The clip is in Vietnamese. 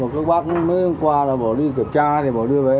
các bác mới qua bỏ đi kiểm tra thì bỏ đưa về